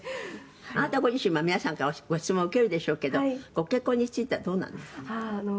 「あなたご自身は皆さんからご質問受けるでしょうけどご結婚についてはどうなんですかね？」